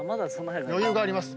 余裕があります。